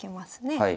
はい。